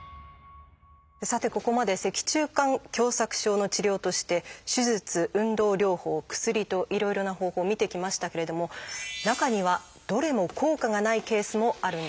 さてここまで脊柱管狭窄症の治療として手術運動療法薬といろいろな方法見てきましたけれども中にはどれも効果がないケースもあるんです。